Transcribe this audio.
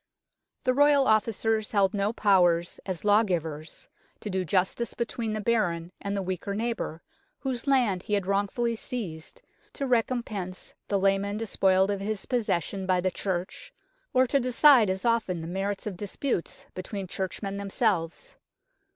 The Royal Officers held no powers as law givers, to do justice between the baron and the weaker neighbour, whose land he had wrongfully seized, to recompense the lay man despoiled of his possession by the Church, or to decide as often the merits of disputes between churchmen themselves.